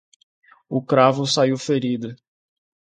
O cravo saiu ferido.